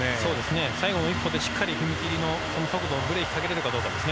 最後の１本でしっかり踏み切りの速度ブレーキをかけられるかです。